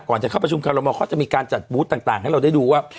ก่อนจะเข้าประชุมคอรมอเขาจะมีการจัดบูธต่างให้เราได้ดูว่า